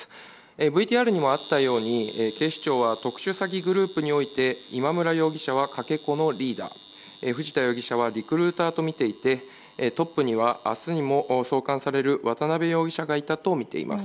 ＶＴＲにもあったように警視庁は特殊詐欺グループにおいて今村容疑者はかけ子のリーダー藤田容疑者はリクルーターとみていてトップには明日にも送還される渡辺容疑者がいたとみています。